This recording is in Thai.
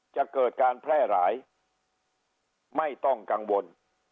จะเกิดการแพร่หลายไม่ต้องกังวล